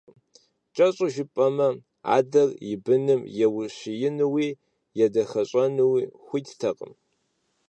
Кӏэщӏу жыпӏэмэ, адэр и быным еущиенууи, едахэщӏэнууи хуиттэкъым.